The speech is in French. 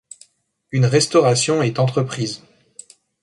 Une restauration est entreprise.